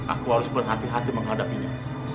aku harus berhati hati menghadapinya